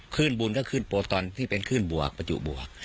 ขึ้นบุญก็ขึ้นโปรตอนที่เป็นขึ้นบวกประจุบวก